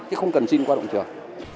thì không cần xin qua đồng trường